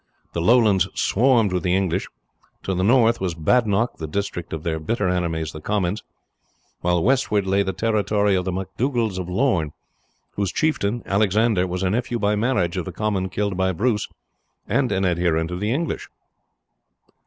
The lowlands swarmed with the English; to the north was Badenoch, the district of their bitter enemies the Comyns; while westward lay the territory of the MacDougalls of Lorne, whose chieftain, Alexander, was a nephew by marriage of the Comyn killed by Bruce, and an adherent of the English.